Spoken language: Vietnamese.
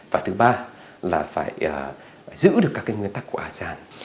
và thứ ba là phải giữ được các cái nguyên tắc của asean